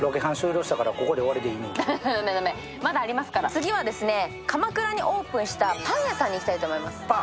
次は鎌倉にオープンしたパン屋さんに行きたいと思います。